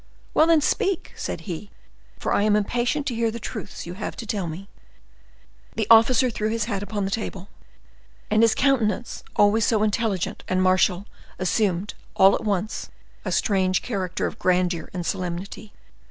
"Well, then, speak," said he, "for I am impatient to hear the truths you have to tell me." The officer threw his hat upon a table, and his countenance, always so intelligent and martial, assumed, all at once, a strange character of grandeur and solemnity.